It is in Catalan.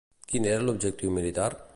Quin era l'objectiu militar?